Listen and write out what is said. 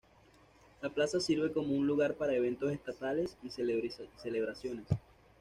La plaza sirve como un lugar para eventos estatales y celebraciones.